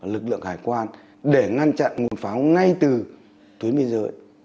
lực lượng hải quan để ngăn chặn nguồn pháo ngay từ tuyến biên giới